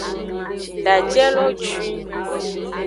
Daje lo juin.